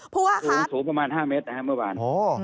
ฮือฐูสูงประมาณ๕เมตรเมื่อวาน